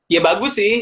ya bagus sih